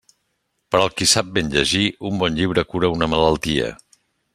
Per al qui sap ben llegir, un bon llibre cura una malaltia.